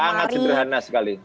sangat sederhana sekali